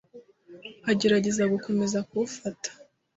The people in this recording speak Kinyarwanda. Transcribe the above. Agerageza gukomeza kuwufata